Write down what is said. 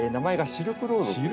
シルクロード！